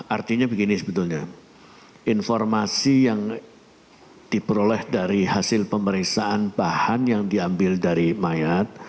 artinya begini sebetulnya informasi yang diperoleh dari hasil pemeriksaan bahan yang diambil dari mayat